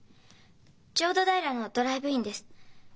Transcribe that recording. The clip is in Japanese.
浄土平のドライブインです。